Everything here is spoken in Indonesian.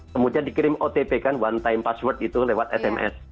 kemudian dikirim otp kan one time password itu lewat sms